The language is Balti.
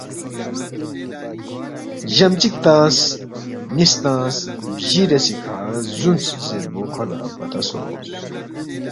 جم چِک تنگس نِ٘یس تنگس، بجی ریسی کھہ زُونس زیربو کھو لہ پتہ سونگس